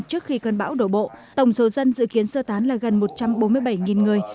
trước khi cơn bão đổ bộ tổng số dân dự kiến sơ tán là gần một trăm bốn mươi bảy người